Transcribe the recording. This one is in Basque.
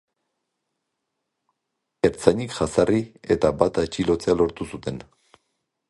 Ertzainek jazarri eta bat atxilotzea lortu zuten.